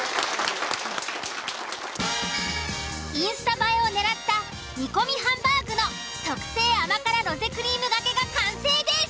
インスタ映えをねらった煮込みハンバーグの特製甘辛ロゼクリームがけが完成です！